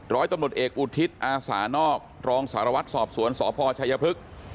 ร้อยตำรวจเอกอุทิศอาสานอกรองสารวัตรสอบสวนสพชัยพฤกษ์